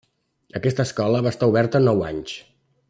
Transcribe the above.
Aquesta escola va estar oberta nou anys.